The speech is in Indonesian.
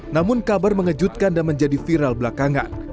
namun kabar mengejutkan dan menjadi viral belakangan